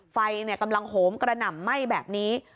ไฟกำลังโหมกระหน่ำไหม้แบบนี้